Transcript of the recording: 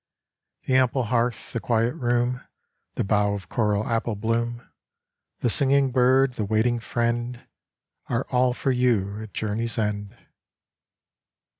The ample hearth, the quiet room, The bough of coral apple bloom, The singing bird, the waiting friend Are all for you at Journey's End.